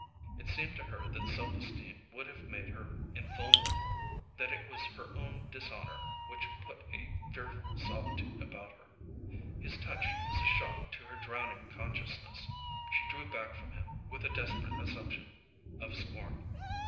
It seemed to her that self esteem would have made her invulnerable—that it was her own dishonour which put a fearful solitude about her. His touch was a shock to her drowning consciousness. She drew back from him with a desperate assumption of scorn.